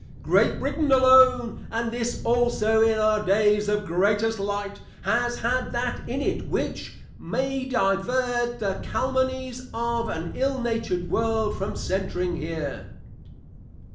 Great Brittain alone, and this also in our days of Greatest Light, has had that in it, which may divert the Calumnies of an ill natured World, from centring here.